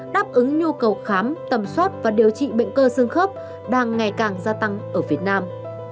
đáp ứng nhu cầu khám tầm soát và điều trị bệnh cơ xương khớp đang ngày càng gia tăng ở việt nam